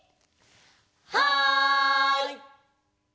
はい！